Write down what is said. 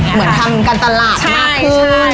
เหมือนทำการตลาดมากขึ้น